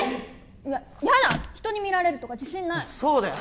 ややだ人に見られるとか自信ないそうだよ